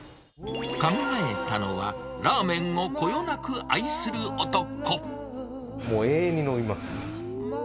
考えたのは、ラーメンをこよなく愛する男。